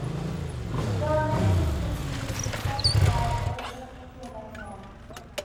There are many difficulties with such flight, both technical and economic.